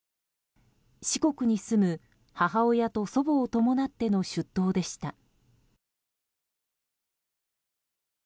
四国に住む母親と祖母を伴っての出頭でした。